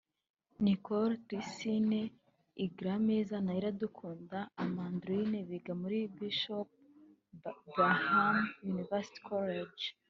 Nicole Triscille Igarameza na Irakunda Amandline biga muri Bishop Bahram University College